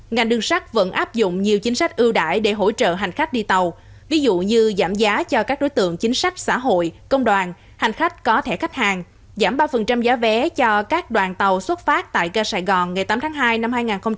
ngành đường sắt vẫn áp dụng nhiều chính sách ưu đại để hỗ trợ hành khách đi tàu ví dụ như giảm giá cho các đối tượng chính sách xã hội công đoàn hành khách có thẻ khách hàng giảm ba giá vé cho các đoàn tàu xuất phát tại ga sài gòn ngày tám tháng hai năm hai nghìn hai mươi